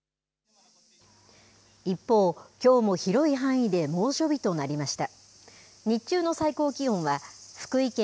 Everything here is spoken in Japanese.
一方、きょうも広い範囲で猛暑日となりました。